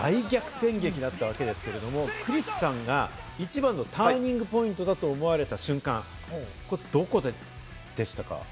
それにしても今回、大逆転劇だったわけですが、クリスさんが一番のターニングポイントだと思われた瞬間、どこでしたか？